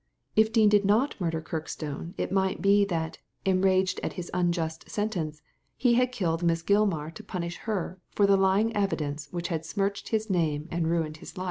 If Dean did not murder Kirkstone it might be that, enraged at his unjust sentence, he had killed Miss Gilmar to punish her for the lying evidence which had smirched his name and ruined his life.